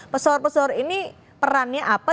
pesohor pesohor ini perannya apa